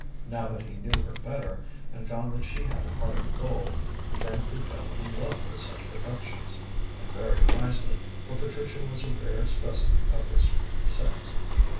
Now that he knew her better, and found that she had a heart of gold, he frankly fell in love with such perfections. And very wisely, for Patricia was a rare specimen of her sex.